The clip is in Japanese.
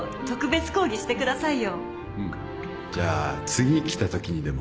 じゃあ次来たときにでも。